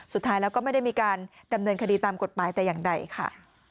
สุดท้ายแล้วก็ไม่ได้มีการดำเนินคดีตามกฎหมายแต่อย่างใดค่ะ